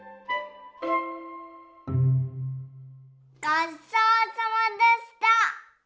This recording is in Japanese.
ごちそうさまでした。